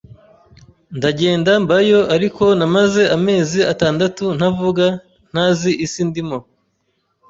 ndagenda mbayo ariko namaze amezi atandatu ntavuga ntazi isi ndimo